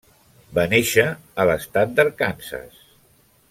Va néixer a l'estat d'Arkansas.